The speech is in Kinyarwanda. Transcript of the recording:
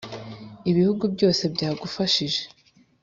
Ibihugu byose byagufashije